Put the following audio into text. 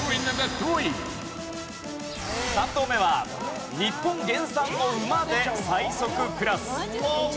３頭目は日本原産の馬で最速クラス。